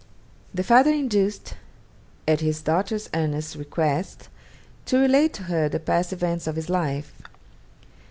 The father induced, at his daughter's earnest request, to relate to her the past events of his life.